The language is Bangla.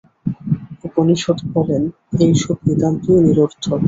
উপনিষদ বলেন, এই সব নিতান্তই নিরর্থক।